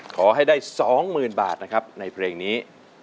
ขอให้ได้๒๐๐๐บาทนะครับในเพลงนี้